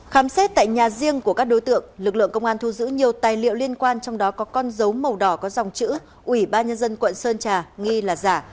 khám xét tại nhà riêng của các đối tượng lực lượng công an thu giữ nhiều tài liệu liên quan trong đó có con dấu màu đỏ có dòng chữ ủy ban nhân dân quận sơn trà nghi là giả